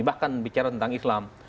bicara tentang islam